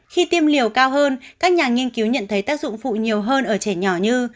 khi tiêm liều cao hơn các nhà nghiên cứu nhận thấy tác dụng phụ nhiều hơn ở trẻ nhỏ như